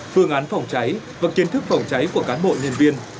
phương án phòng cháy và kiến thức phòng cháy của cán bộ nhân viên